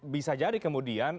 bisa jadi kemudian